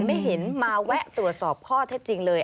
ไม่เห็นมาแวะตรวจสอบข้อเท็จจริงเลย